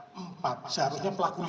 seharusnya pelaku lima